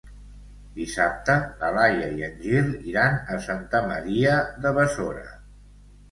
Dissabte na Laia i en Gil iran a Santa Maria de Besora.